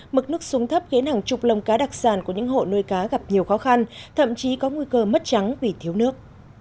mực nước xuống thấp khiến hàng chục lồng cá đặc sản của những hộ nuôi cá gặp nhiều khó khăn thậm chí có nguy cơ mất trắng vì thiếu nước